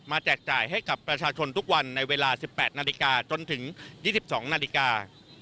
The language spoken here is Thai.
มาแจกจ่ายให้กับประชาชนทุกวันในเวลาสิบแปดนาฬิกาจนถึงยี่สิบสองนาฬิกา